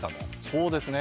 そうですね